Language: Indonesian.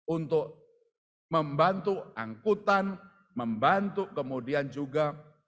untuk membantu angkutan membantu kemudian juga